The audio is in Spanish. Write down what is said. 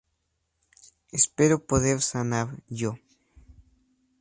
Espero poder sanar yo.